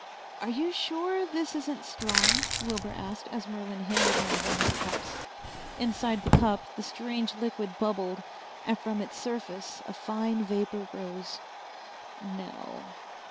"Are you sure this isn't strong?" Wilbur asked as Merlin handed him one of the cups. Inside the cup the strange liquid bubbled, and from its surface a fine vapor rose. "No."